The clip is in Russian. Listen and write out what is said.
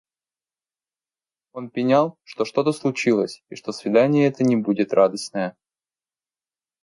Он пенял, что что-то случилось и что свидание это не будет радостное.